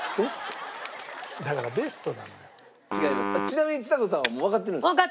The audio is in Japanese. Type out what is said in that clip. ちなみにちさ子さんはもうわかってるんですか？